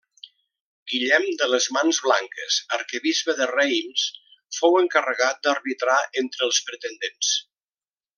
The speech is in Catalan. Guillem de les Mans Blanques, arquebisbe de Reims fou encarregat d'arbitrar entre els pretendents.